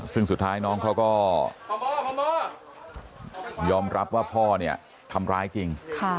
ซึ่งสุดท้ายน้องเขาก็ยอมรับว่าพ่อเนี่ยทำร้ายจริง